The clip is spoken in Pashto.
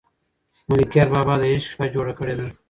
ملکیار بابا د عشق شپه جوړه کړې ده.